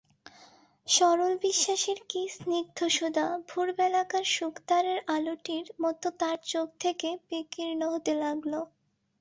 সরল বিশ্বাসের কী স্নিগ্ধসুধা ভোরবেলাকার শুকতারার আলোটির মতো তার চোখ থেকে বিকীর্ণ হতে লাগল।